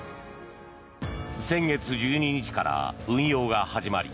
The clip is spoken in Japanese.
先月１２日から運用が始まり